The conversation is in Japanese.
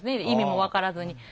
意味も分からずに。